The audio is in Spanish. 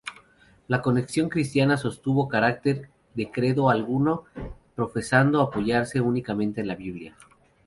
La Conexión Cristiana sostuvo carecer de credo alguno, profesando apoyarse únicamente en la Biblia.